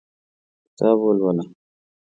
کتاب ولوله !